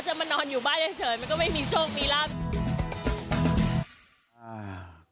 มานอนอยู่บ้านเฉยมันก็ไม่มีโชคมีลาบ